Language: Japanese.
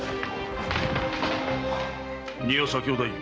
丹羽左京太夫。